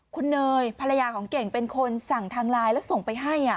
คุณเนยภรรยาของเก่งเป็นคนสั่งทางไลน์แล้วส่งไปให้